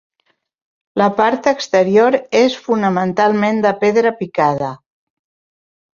La part exterior és fonamentalment de pedra picada.